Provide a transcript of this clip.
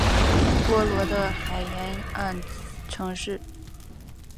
波罗的海沿岸城市。